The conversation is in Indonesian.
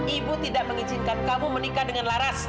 ibu tidak mengizinkan kamu menikah dengan laras